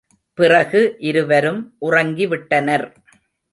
பிறகு இருவரும் உறங்கிவிட்டனர்.